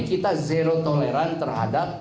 kita zero toleran terhadap